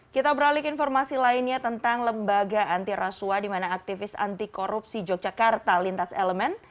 kita beralik informasi lainnya tentang lembaga anti rasua di mana aktivis anti korupsi yogyakarta lintas elemen